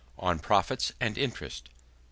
ON PROFITS, AND INTEREST.